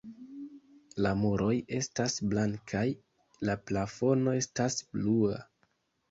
La muroj estas blankaj, la plafono estas blua.